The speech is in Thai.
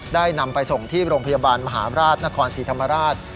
นำไปส่งที่โรงพยาบาลมหาราชนครศรีธรรมราช